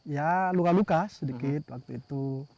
ya luka luka sedikit waktu itu